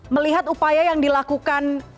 melihat upaya yang dilakukan